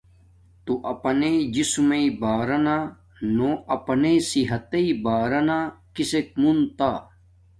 تو اپانݵ جسمݵ بارانا نو اپانݵ صحتݵ بارانا کسک مونتا۔